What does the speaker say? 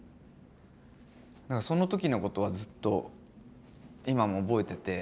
その時のことはずっと今も覚えてて。